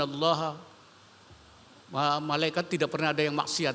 layaka tidak pernah ada yang maksiat